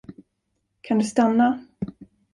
Kan du stanna?